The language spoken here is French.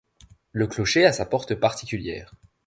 Le clocher a sa porte particulière.